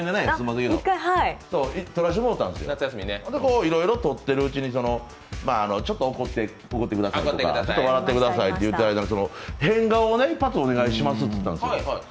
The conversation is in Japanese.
いろいろ撮ってるうちに、ちょっと怒ってくださいとかちょっと笑ってくださいといっているときに、変顔連発お願いしますって言ったんです。